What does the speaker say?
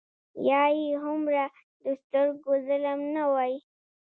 یا یې هومره د سترګو ظلم نه وای.